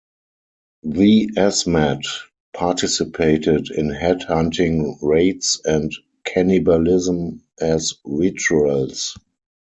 The Asmat participated in headhunting raids and cannibalism as rituals.